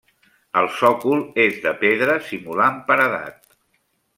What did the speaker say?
El sòcol és de pedra simulant paredat.